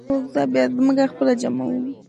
هغوی چې د انتقالي عدالت پر بنسټ.